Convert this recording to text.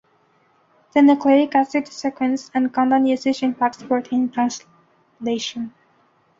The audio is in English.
The nucleic acid sequence and codon usage impacts protein translation.